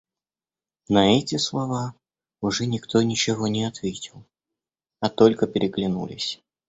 На эти слова уже никто ничего не ответил, а только переглянулись.